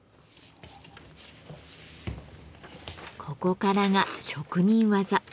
ここからが職人技。